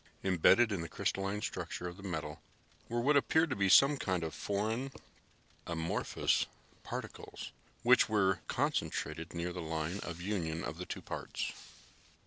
Embedded in the crystalline structure of the metal were what appeared to be some kind of foreign, amorphous particles which were concentrated near the line of union of the two parts.